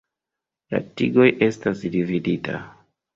La tigoj estas dividita.